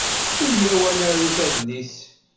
Iyyaw ad narut adlis.